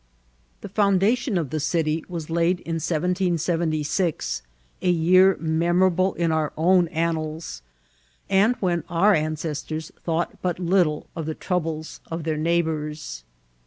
The foundation of the city was kid in 1776, a year memorable in our own annals, and when our ancestcHrs thought but little of the troubles of their neighbours.